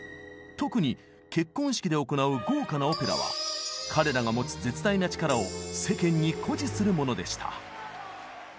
特に結婚式で行う豪華なオペラは彼らが持つ絶大な力を世間に誇示するものでした。